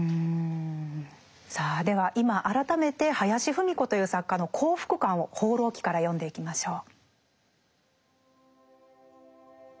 さあでは今改めて林芙美子という作家の幸福感を「放浪記」から読んでいきましょう。